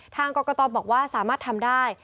ทางกรกตบอกว่าสามารถทำได้